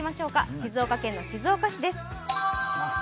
静岡県の静岡市です。